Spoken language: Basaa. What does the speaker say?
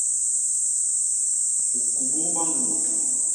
U kumus bañ mut.